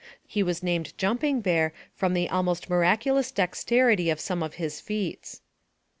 He was named Jumping Bear from the almost mirac ulous dexterity of some of his feats.